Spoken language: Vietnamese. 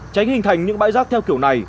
tránh hình thành những bãi rác theo kiểu này